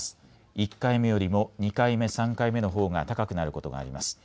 １回目よりも２回目、３回目のほうが高くなることがあります。